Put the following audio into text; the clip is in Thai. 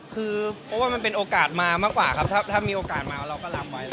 คือโอ้วว่ามันเป็นโอกาสมามากกว่าครับถ้ามีโอกาสมาเราก็ล้ำไว้เลยนะครับ